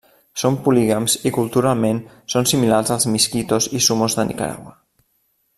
Són polígams i culturalment són similars als miskitos i sumos de Nicaragua.